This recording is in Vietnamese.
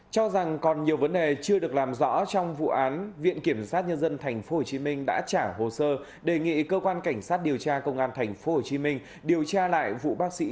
cho rằng còn nhiều vấn đề chưa được làm rõ trong vụ án viện kiểm sát nhân dân tp hcm đã trả hồ sơ đề nghị cơ quan cảnh sát điều tra công an tp hcm điều tra lại vụ bác sĩ